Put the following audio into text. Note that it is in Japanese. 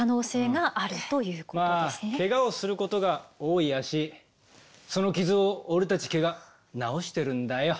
まあけがをすることが多い足その傷を俺たち毛が治してるんだよ。